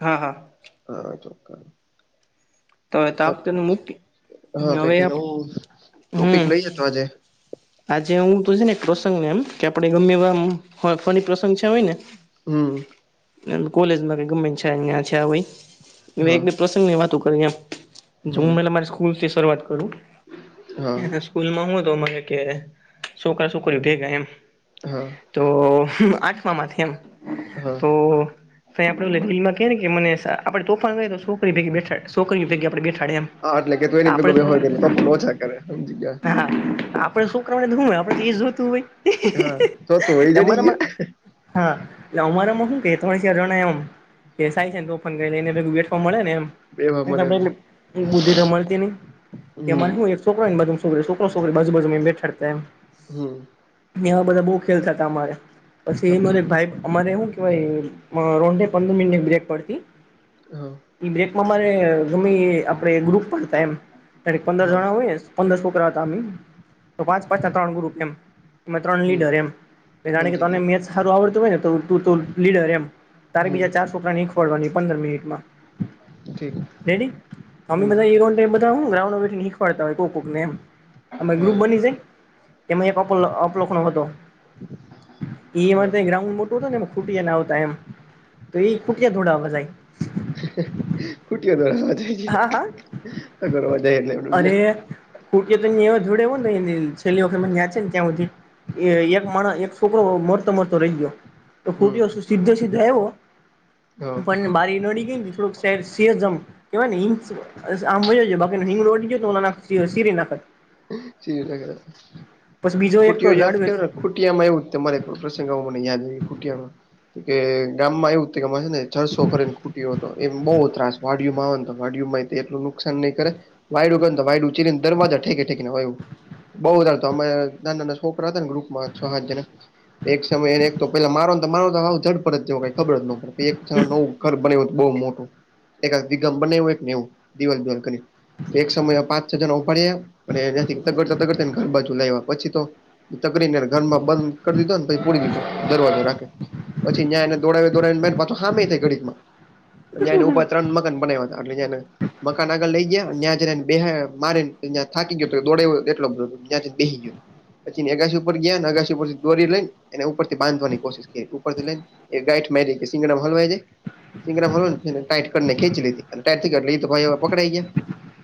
હા હા તોવે તો તાપતને પછી મુક્તિ હા, કઈક નવુ ટોપિક હમ લઈએ તો આજે આજે હુ તો છેને, એક પ્રસંગને એમ કે આપડે ગમે એમ હ ફની પ્રસંગ છે, હોય ને હમ કોલેજમાં ક ગમે છે, અં છે ભ હા એક બે પ્રસંગ ની વાતો કરીમ જો હમ હું મારી સ્કૂલ થી શરૂઆત કરુ હા સ્કૂલમાં હુ હતો, અરે કે છોકરા છોકરી ભેગા એમ હમ્મ તો આઠમામાંથી એમ હા તો ત આપડે મને આપે તોફાન તો છોકરીે ભેગી છોકરી, ભેગી આપડે બેઠાડે એમ હા એટલે કે તો એની ભેગું ભ હોય એટ તો પણ ઓછા કરે સમજી ગયા. હા, આપડે શું કરવાને હું હોય આપડે ઈ જોતુ હોય. હા જોતુ હોય, ઈ જણી ગયુ. તમારામાં હા, અમારામા હુ કેે તોણ શરોના એવમ પેસાય છેને, તોફાન કરે એનાભેગું બેડવા મળે ને બેવા મને એટલે એમ બુદ્ધિ ત મળતી નહી હમ એ શુ છોક જ છોકરી છોકરો છોકરી બાજુ બાજુમા બેાડતા એમ હમ્મ એવા બધા બોવ ખેલ કરતા હતા, અમારે પછી સમજી એરે ગયો ભાઈ અમારે શું કેવાય રોંડે પંદર મિનિટની બ્રેક પડતી હમ્મ બ્રેકમાં મારે ગમેી આપણે ગ્રુપ પણ હતા એમ પંદર હા જણા હોય. પંદર સોંકરા હતા, તો પાંચ પાંચ ના ત્રણ ગ્રુપ એમ એ ત્રણ હમ લીડર એમ જાણે કે સમજી તને ગયો મેચ સારુ આવડતુ હોય, ને તો તું લીડર એમ તારે હમ બીજા ચાર છોકરા નીંખવાડવાની પંદર મિનિટમા ઠીક રેડી અમે હમ બધા રો બધા હુ ગ્રઉન્ડઠખવાડતા હોય, કો કોક ને એમ અ હા ગ્રુપ બની જાય. એમાં એક અપલોખનો હતો હા એઉન્ એમ ખૂટિયાના આવતા એમ તો એ ખૂટિયા ધોડાવા જાય. હે હે ફુટયો તો રવા જઈ હા હા ગયા જગવા જાય એટલે [unintelligible] કુ તો તાઈ યા જોડે હો ને છેલ્લી વખત મનેયાંચ છે ને ત્યાં હુધી એ એક માણ એક છોકરો મળરતો મરતો રહી ગયો. તો હમ ખૂટ્યો [unintelligible] સીધો સીધો હા આવ્યો પણ બારી નડી ગઈ ને થોડુંક સેર સેર જમ કહેવાય ને હિંગ આ આમજ બાકી ને [unintelligible] નાખત. [unintelligible] પછી બીજો એક તો ખૂટ્યો જાત ઝાડવે કહેવાય ખૂટ્યો માં એવું તમારે એક વસ્તુ સિંઘાવવામાં મને યાદ રહી ખુટિયા માં કે ગામમાં એવું તે ગામમાં છે ને ચાર છોકરી નો ચા ખૂટ્યો હતો. એમ બહુ ત્રાસ વાડીયુંમાં આવે ને તો વાડીય માં એટલું નુકસાન નહી કરે. વાયડું ગ વાયડું ચિને દરવાજા ઠેકેઠેકને વાયું બઉ વધારે અમે નાના નાના છોકરા હતા ને ગ્રુપમાં છ હજારને એક સમય એને એક તો પેલા મારોને તો મારો તો [unintelligible] જ કઈ ખબર જ ન પડે. એક નવું ઘર બનાયું તો બહ મોટું એક દિગમ બના એક એવું દિવાલ [unintelligible] એક સમય પાંચ છ જણ ઉપાડ્યા અને એનાથી તકડતા તગડતા ને ઘર બાજુ લાવવા પછી તો તકડીને ઘરમાં બંધ કરી દીધો ને તે ખોલી દીધું. દરવાજો રાખે પછી ન્યાં એને દોડાવે દોડાવી પાછ હામે થાય ગયો [unintelligible] ન્યાય ને ઉપર ત્રણ મકાન બનાવ્યા હતા આ ડિઝાઇને. મકાન આગળ લઈ ગયા ત્યાં જને બે મારી ને ત થાકી ગયો દોડે એટલો બધ ત્યાં બેસી ગયો. પછી અગાાસી ઉપર ગયા અગાાસી ઉપરથી દોરી લઈને એને ઉપર થી બાંધવાની કોશિશ કરી ઉપરથી લઈને- એ ગાઠ મેરી સિંગડામાં હલાવ માં જય. સીંગડા હોરોન ટાઈટ કરને ખેંચી લીધી હવે ટાઈટ થી તો ભાઈ પકડાઈ ગયા.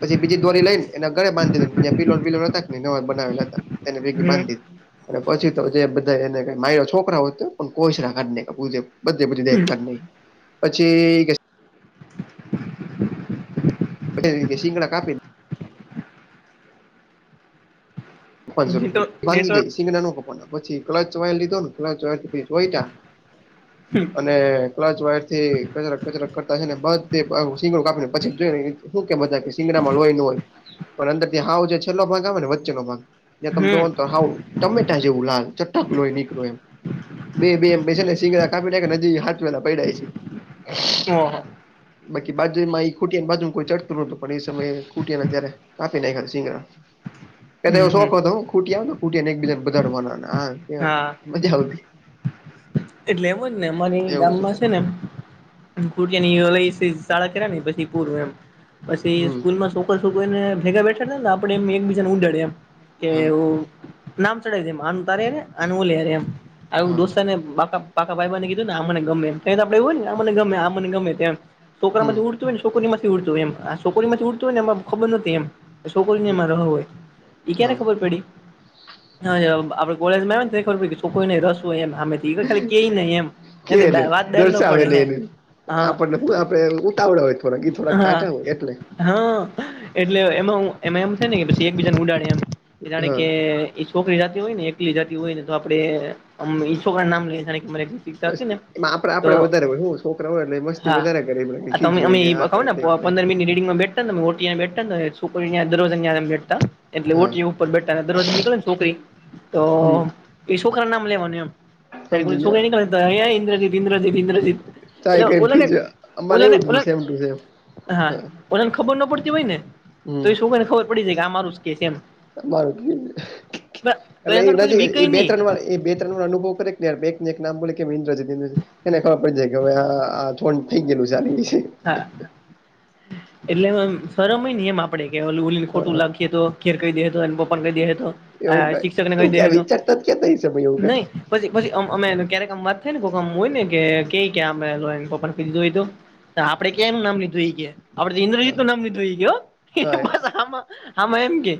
પછી બીજી દોરી લઈ ને એના ઘરે બાંધીધને પીલો પીલો હતા ને નવા બનાવેલા હતા [unintelligible] હમ અને પછી તો જે બધા એને કે માયરો છોકરા હોય તો પણ કોચ રાખને [unintelligible] બધે બધી દકા નહી પછી પછી એ શીંગડા કાપીને પાંચસો રૂપિયા માંગી ગઈ નેટવર્ક સીંગડા નો મુકવાના પછી ક્લચ વાયર લીધોને ક્લચ વાયર [unintelligible] અને ક્લાચ વાયર થી કચરાક કચરાક કરતા ને બધ સીંગડો કાપીને પછી જોઈને શું કેમ બધા કે શીંગડા માં લોહી નો હોય પણ અંદર થી હવ જે છેલ્લો ભાગ આવે ને વચ્ચેનો ભાગ ત્યાં તમે હમ જો તો હવ ટમેટા જેવું લાલ ચટક લોહી નીકળો એમ બે બે એમ બેસે ને સીંગડા કાપી નાયખા નજી હાંચવા ના પડીડાય છે. હા. બાકી બાજુ માં એ ખૂટી ની બાજુ કોઈ ચડતું નત પણ એ સમયે ખૂટીને જયારે કાપી નાંખ્યા સિંગડા. પહેલે એવો હમ હમ શોખ હતો હું ખૂટ્યા ને ખુટીયા ને એકબીજાને બગાડવાના આ તે હા મજા આવતી. એટલે એમ જ ને અમારી એવું ગામમાં છે ત્યારે ને ખુટીયા ને ઈ વી શાળા કરાને પછી પૂરું એમ પછી હમ સ્કૂલમાં શું કોઈને ભેગા બેઠાને આપે એમ એકબીજાને ઉડાડે એમ કે હા વુ નામ ચઢાવી દે મનુ તારે એ અનુ [unintelligible] એમ આવુ હા દોસ તને બકા પાકા ભાઈ બને કીધું ને આ મને ગમે એમ એન આપડે એવું હોય ને મને ગમે આ મને ગમે તેમ. છોકરા હમ થી ઉડતું હોય છોકરીમાંથી ઉડતું એમ છોકરી માં ઉડત હો ને એ ખબર નથી એમ. તે છોકરી ની હમ મારે હોય ઈ ક્યારે હા ખબર પડી. હા યે આપે કોલેજ માં આવ્યા ને તે ખબર પડી છોકરીઓ નો રસ હોય એમ અમે કેને વાત બેર ન દર્શાવે પડે ને હે એને હા આપણને આપડે ઉતાવળ્યા હોય થોડાક એ થોડાક હા ટાંટ્યા હોય એટલે. હા એટલે એમાં હું એમાં એમ થાય ને કે પછી એકબીજાને ઉડાડે એમ એ જાણે હા કે ઈ છોકરી જાતી હોય ને એકલી જાતી હોય ને તો આપડે ઈ છોકરા નામ લઈએ [unintelligible] મસ્તી એમાં આપડે આપડ વધારે હોયું છોકરા હોય એટલે મસ્તી વધારે કરે એમ ને ખીજવે કે આ હ કરે ને તે પો કરે પંદર મિનટ ર બેઠા બેા દરરો બે- એટલે ઓટ હા ઉપર બેઠા ને દરવાજે નીકળે ને છોકરી તો હમ એ છોકરા નામ લેવાનું એમ- [unintelligible] સમજી ગયા ન્દ્રજી ઇન્દ્રજીત ચાય એટલે કરીને ઓલાને ખીજવે અમારે ઓલાને એવું જ હતું સેમ ટુ સેમ હા. કોને ખબર ના પડતી હોય ને તો એ શું કોને ખબર પડી જાય કે આમારું કે છે એમ. મારું એની એટલે એ અંદર કોઈની નજીક બીક એ ય બે નહી ત્રણ વાર એ બે અનુભવ ને બેને એક નામો કે ઇન્દ્ર [unintelligible] એને ખબર પડી જાય કે હવે આ થોડ થઈ ગયેલુ છે આની વિશે. હા એટલે શર્મ હોય ને એમ આપડે કે ઓલું ઓલીને ખોટું હા લખીએ તો. ઘેર કહી દે તો એ, પપ્પા ને કહી દે તો, એવું કઈ શિક્ષક ને એવું કહી દે ક્યાં તો વિચારતા જ ક્યાં થઈ છે ભાઈ એવું કઈ નહી. પછી પછી અમે ક્યારેક અમ વાત થાય ને કોઈક હોય ને કે કઈ પપ્પા ક્યાંપ દીધું હોય તો. આપણે ક્યા એનું નામ લીધુ ઈ કે આપડે ઇન્દ્રજીત હા નું નામ લીધુ એ કે હા પછી આમા. હામાં એમ કે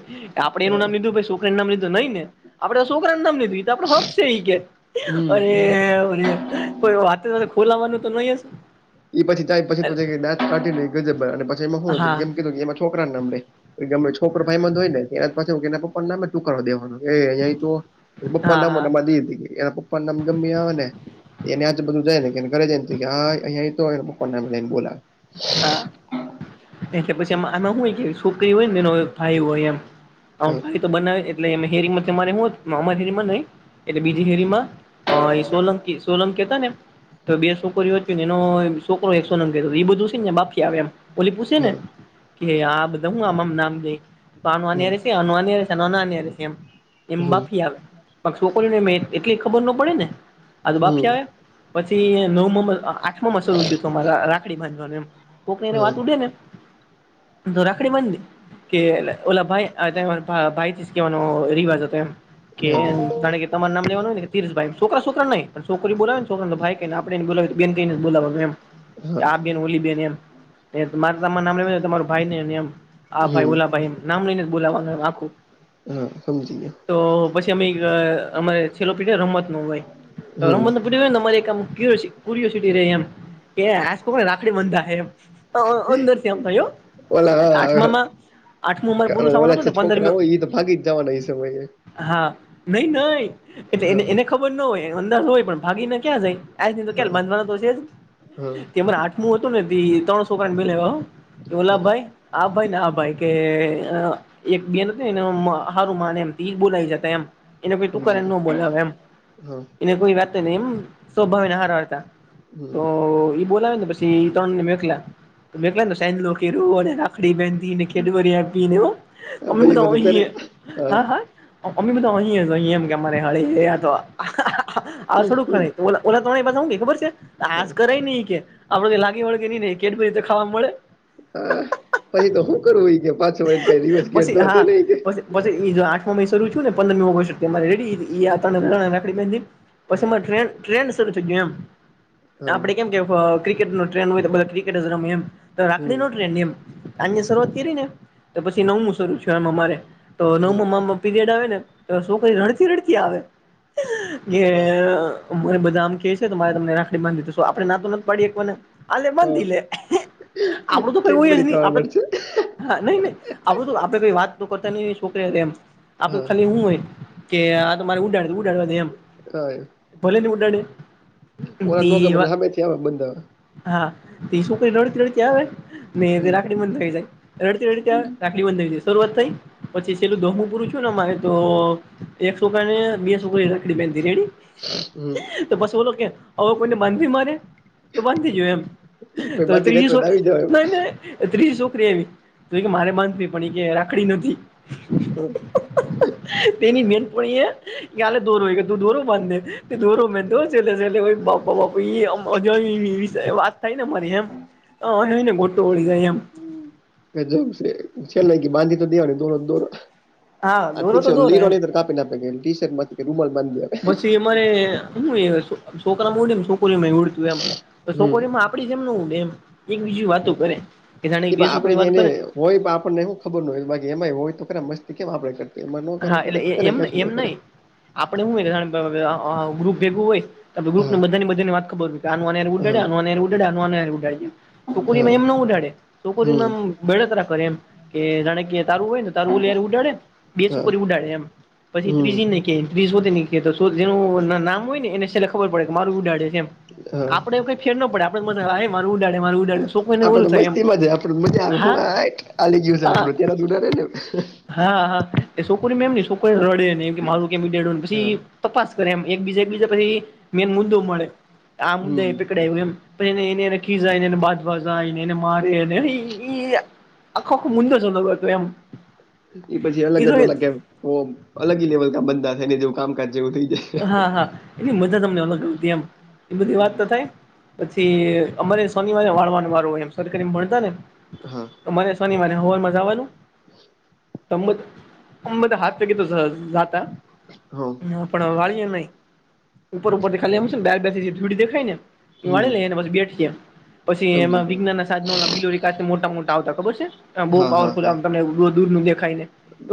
આપણે એનું નામ હા. લીધું છોકરાનું નામ લીધું નઈ ને. આપડે છોકરા નામ લીધુ આપડો હક છે એ કે. હમ કોઈ વાતે ખોલાવાનું તો નહી. એ પછીય પછી તો દાંત કાઢી ગજબર પછી એમાં હા શું એમ હા કીધું કે એમાં છોકરા ને નામ દે. ગમે છોકરા ભાઈ હોય ને એના પપ્પાને નામે ટુકારો દેવાનો અહીં તો. એ પપ્પા ના હા મોમાંધ હતી એના પપ્પા. [unintelligible] પણ નમગમી આવે ને એને આજ બધું જાય ને ઘરે જાય ને હ અં. ને પપ્પા ના નામે બોલાવે. હા એ પછી આમ આમાં હોય કે છોકરી હોય ને એનો ભાઈ હોય એમ. હા ભાઈ તો બનાવે એટલે હે અમાેમાં ન એટલે બીજી હેરીમાં. અ એ સોલંકી છે. સોલંકી હતા ને તો બે છોકરીઓ એનો છોકરો એક સોલંકી હતો એ બધું બાફી આવે એમ ઓલી પૂછે ને હા કે આ બધા હું આમમ નામ જઈ. પાનવાની હમ રહેશે અનુ આની હારે રહેશે અનનય રહેશે એમ એમ હમ બાફી આવે. પણ છોકરીયો ને એટલી ખબર ન પડે ને. આ બાફી હમ આવે પછી નવ આઠમા શરુ થયુ તુ રાખડી બાંધવાનું એમ. એને હા વાત ઉડે ને તો રાખડી બાંધી દે. કે ઓલા ભાઈ ભાઈથી કેવાનો રિવાજ હતો એમ. કે હા એમ [unintelligible] તમારે નામ લેવાનુંય કે તિર્થ ભાઈ છોકરા છોકરા નઈ પણ છોકરી બોલાવે છોકરાને ભાઈને આપ બોલાવી બેન કઈને બોલાવાનુ એમ. હા આ બેન ઓલી બેન એમ તમારે તમાર નામ લેવા તમારો ભાઈ ને એમ આ ભાઈ હમ ઓલા ભાઈ એમ. નામ લઈને જ બોલાવાનું આખું. હા સમજી ગયા. તો પછી અ અમારે છેલ્લો પીઢ રમત નું હોય તો હમ રમત નું કયુરોસીટી રે એમ કે આકોને રાખડી બંધાય. અંદર ત્યામ થયો આઠમામાં આઠમું અમારે પૂરું થવાનું હતું કાર ને પંદરમ છોકરા હોય એ તો ભાગી જવાના એ સમયે. હા નઈ નહી એટલે હા એને ખબર ના હોય અંદાજ હોય પણ ભાગીને ક્યાં જાય? આજ નહી તો ક્યાલ હા બાંધવાનો તો શે હા જ કેરે આઠમું હતું ને ત્રણસોકા મે લ લ હા ભાઈ આ ભાઈ ને આ ભાઈ કે. એક બેન હતી ને હારું માને એમ બોલાઈ જતા એમ. એને કો સમજી ટુકારીને ગયો ન બોલાવે એમ હા એને કોઈ વાતો નહી એમ સ્વભાવને હારા હતા. તો હમ ઈ બોલાવે ને પછી ત્રણ ને મે એકલા. તમે કને સેલો કે અને રાખડી બેન ને ખે કેટબરી આપીને હા અમે ભાઈ તો બધું કરે હસીએ હા હા અમે તો હસીએ. અહી એમ કે મરે હળી ગયા તો. થડું ઓલા તો બધા શુ કે ખબર છે આસ કરાય નઈ કે આપડને લાગે વળે કે ન. કેટબરી તો ખાવા મળે. હા પછી તો શું કરવું હોય કે પા છો વળીને રિવર્સ ગેર પછી તો હતો હા નહી. પછી પછી આઠમ શરુ થ્યુ છું ને પંદરમી ઓગસ્ટરે રેડી રાખડી. હા પછી ટ્રેન ટ્રેન શરૂ થઈ ગય એમ હા આપડે કેમ કે ક્રિકેટ નો ટ્રેન્ડ હોય તો ક્રિકેટ જ રમે એમ હમ રાખડી નો ટ્રેન્ડ એમ આજની શરૂઆત કરી ને. તો પછી નવમું શરૂ છે એમાં મારે તો હમ નવમ પીરિયડ આવે ને એ શું કરી રડતી રડતી આવે જે હા મને બધા આમ કે છે તો મારે તમને રાખડી બાંધીધ આપણે ના તો નથી પાડીએ એકને આલેે હા મંધ લે આપડું તો કઈુંય કેટબરી નહી ખાવા આપડ મળશે નહી નહી આપડું તો આપણે કઈ વાત તો કરતા નહી ન છોકરી એમ આપડે હા ખાલી હું હોય કે આ તમારે ઉડાડે ઉડાડવા એમ ભલે ને ઉડાડે ઓરા નટલે હમેથી આવા બંદ હા એ છોકરી રડતી રડતી આવે ને હમ રાખડી મંદ થઈ જાય રડતી રડતી તં રાાખડી બંધી દી શરૂઆત થઈ પછી છેલ્લું દમું પૂરું છું ને અમારે તો એક સોકને બે સુોક રાખડી પહેની રેડી હમ તો બસ બોલો કે આવ કોઈને માનવી માને તો બાંધી જોયું એમ કોઈ તો બાકી ત્રીજી રહેતો હોય છોક તો આવી જવાય ના ત્રીજી છોકરી એવી તો એ કે મારે બાંધ પણ એ કે રાખડી નથી હમ તેની મેનપણી એ કલે દોરોય કે તું દોરો બાંધે દોરો મેો ચલે છેલે કો બા અજય વિ વાત થાય ને મારે એમય ને ગોટું વળી જાય એમ જવું છે છે ન બાંધી તો દેવાની દો દોર હા દોરો ઠી તો છે દોરો લીરો એમ ની તો કાપીને આપે ટી શર્ટ માંથી કે રૂમલ માંી પછી અમારે છોકરામાં છોકરી છો એ હમ આપ એમ એમ એક બીજી વાતો કરે કે જાણે એ બે પણ શોકો આપણે ની જે વાત એને કરે હોય આપણનેું ખબર ન હોય બાકી એમાંય હોય તો ખરા મસ્તી કેમ આપણેે કરતી એમાં ન કરે હા ખચ એટલે કરને એમ કછી ન એમ કરે નહી આપડે શું ગ્રુપ ભેગું હોય આપ ગ્રુપને હા બધાનીધાને વા ખબરય કે આ ઉડ હા ઉડાડય ઉડાડ્યા છોકરીમાં હા એમ ન ઉડાડે હમ છોકરીમાં બળતરા કરે એમ કે જાણે કે તારું હોય ને તારું ઓય ઉડાડે બેસ હા કરી ઉડાડે એમ પછી હમ ત્રીજી નહી ્રી ની તો જેનું નામ હોય ને એને છેલ્ ખબર પડે કે મારું હા આપડે કઈ ફેર ન પડે આપડ મ માું ઉડાડે માું ઉડાડે શું કોઈ ને ઓલું થાય એમ મા આવે હું હા આલી ગયું છે આપડું ત્યાં દને હા હા એ છોકરી એમને છોકરી રડે એ મારું કેીેડને પછી હા તપાસ કરે એમ એકબીજા એકબીજા પછી મેન મુદ્દો મળે આ મુદ્દા હમ એ પકડાય્યો એમ પછ એને એને એને કીઝા એને બાજવાજા એને એને મારે એ આખો મુંંદો જનો હત એમ એ પછી અલગ જ અલગ કે અલગી લેવલ ક બા થાય ને જેવું કામકાજ જેવું થઈ જાય હા હા એની મજા અમને અલગ આવતી એમ એ બધી વાત હમ, તો થાય પછી અમારે શોનિવારે વાળવાનો વારો હોય એમ સર એમ ભણતા ને હા મરે શોની માને હોવા મજાવાનું ત તબદ હાકીી તો જ હ પણ વાળીએ નહી ઉપર ઉપર થી ખાલી આમશે ને બાર બેસીડી દેખાય ને એ હમ વાણી લઈ ને બ બેઠ પછી એમાં સમજી ગયો વિજ્ઞાન ના સાધનો બિલોરી કા મોટા મોટા આવતા ખબર છે બહુ હા હા હા પાવરફુલમને દૂરું દેખાય ને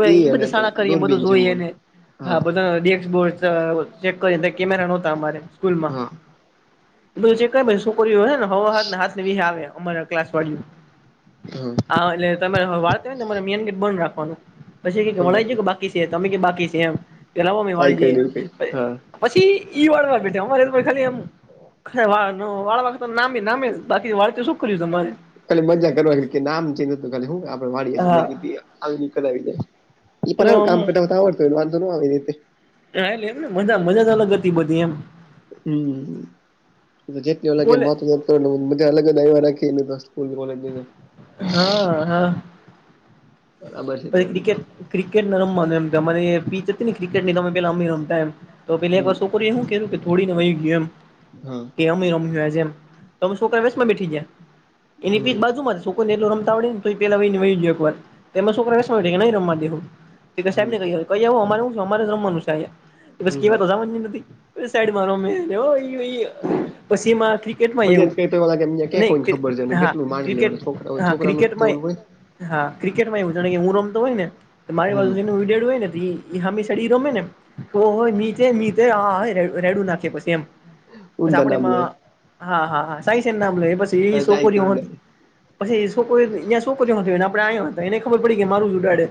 વે ઈ અને બધા પ- સાળા કરીએ બધું દૂરબીન જેવું ઓલું. જોઈએને હા બધા ડેબોર્ડ ચેક કરી કેમેરા નહતા અમારે સ્કૂલમાં. હા બધ ક છોકરીઓ હોને હવા હાત વાગે આવે અમારા ક્લાસ વાડીઓ. હા એટલે તમારે વાળતા હોય ને તમારે મનગેટ બંધ રાખવાનું. પછી વળી સમજી છે ગયું કે બાકી છે તમે કે બાકી છે એમ કે લાવવા અમે ટ્રાય વાળી કરી દીએ. દેવું હા. પછી ઈ વાળવા બેઠા અમારે ખાલી એમ રે વાળ વાળ વાખ તો નામે નામે બાકી વાળ તો શું કર્યું તમારે. કાલી મજા કરવા કે નામ ચુંા હું આપડે હા વાડીકી આવીક આવી જાય. એ પણ એટલે હવે આમ કામ કરતા તો આવડતો હોયુંંધો ન આવે. હા એટલે એમને મજા મજા જ અલગ હતી બધી એમ. હમ જેટલી અલગ એ કર બોલે બધા અલગ જ આવ્યા રાખીને. સ્કૂલ કોલેજ નો હતો. હા હા પછી ક્રિકેટ ક્રિકેટને રમવાનું એમને પીચ હતી ને ક્રિકેટ ની તમે પેલા અમ રમતા એમ. તો પેલા એક હમ વાર છોકરી એ હું કરીયુ કે થોડીને વહી ગયું એમ હા કે અમમે રમ્યું આ જેમ. તોમે છોકરા વેસમાં બેઠી જયા એની હમ પી બાજુમાંથી છોક ને એટલો રમતા આવડે ને તો પેલા વહીને વહી એક વાર. છોક નહી રમવા દે હમ સાહેબને ક ક અમારે શું છે અરે રમવાનું છે. બસ હમ કેવાય ત સા ન સાઈડ મારો મે પછીમાં ક્રિકેટમાં ફરિયાદ એવું કરી તો ઓલા કે એમને ક્યાં કોઈને નહી ખબર છે અને હા કેટલું માની ક્રિકેટ લેવાનું છોકરા હા છોકરાનું તે ક્રિકેટમાં ઓલું હોય હા ક્રિકેટ માં એ જા કે હું રમતો હોય ને મારી હમ [unintelligible] હોય ને હમે સાઈડ રમે ને ઓ નીચે નીચે આ રેડું નાખ. ઊંધા આપ નામ લે હા હા [unintelligible] એ છોરી આ જાય કરી દે પછી છોરીયા છોકરી‌ આપે [unintelligible] ખબર પડી કે મારું ઉડાડે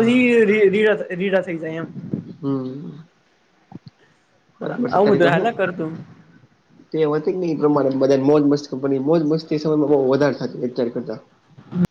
હા રીડા થઈ જાય એમ. હમ બરાબર છે આવું કરી તો બધું હું હાલ્યા કરતું તે હતી પ્રમાણે બ મોજ મસ્ત કંપની મોજ [unintelligible] સમયમાંહ વધારે થ અતાર કરતા.